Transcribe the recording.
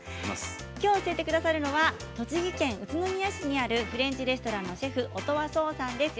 今日、教えてくださるのは栃木県宇都宮市にあるフレンチレストランのシェフ音羽創さんです。